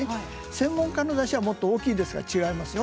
専門家のだしはもっと大きいから違いますよ。